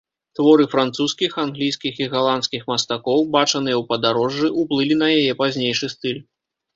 Творы французскіх, англійскіх і галандскіх мастакоў, бачаныя ў падарожжы, уплылі на яе пазнейшы стыль.